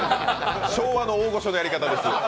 昭和の大御所のやり方ですよ。